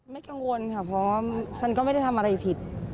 กังวลค่ะเพราะว่าฉันก็ไม่ได้ทำอะไรผิด